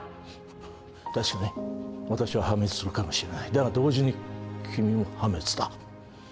確かに私は破滅するかもしれないだが同時に君も破滅だ